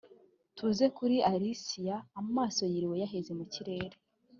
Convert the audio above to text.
tuze kuri alisiya amaso yiriwe yaheze mukirere